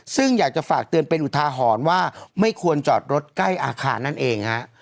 ซึ่งอยากจะฝากเตือนเป็นอุทาหรณ์ว่าไม่ควรจอดรถใกล้อาคารนั่นเองฮะ